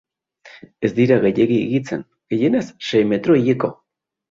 Ez dira gehiegi higitzen, gehienez sei metro hileko.